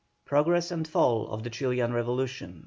PROGRESS AND FALL OF THE CHILIAN REVOLUTION.